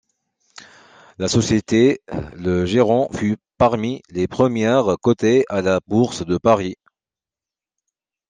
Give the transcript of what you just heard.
La société le gérant fut parmi les premières cotées à la Bourse de Paris.